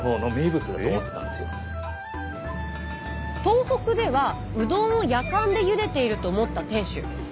東北ではうどんをやかんでゆでていると思った店主。